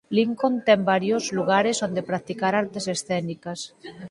Lincoln ten varios lugares onde practicar artes escénicas.